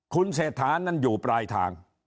คุณเศรษฐานั้นอยู่ปลายทาง